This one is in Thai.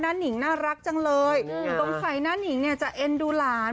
นิงน่ารักจังเลยสงสัยหน้านิงเนี่ยจะเอ็นดูหลาน